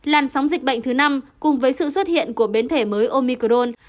làn sóng dịch bệnh thứ năm cùng với sự xuất hiện của biến thể mới omicron